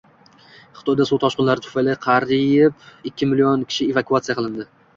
Xitoyda suv toshqinlari tufayli qariybikkimln kishi evakuatsiya qilindi